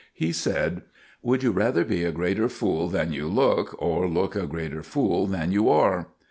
He said, "Would you rather be a greater fool than you look, or look a greater fool than you are?"